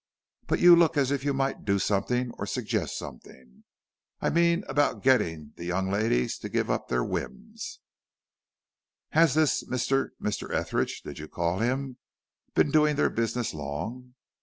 But you look as if you might do something or suggest something. I mean about getting the young ladies to give up their whims." "Has this Mr. Mr. Etheridge, did you call him? been doing their business long?"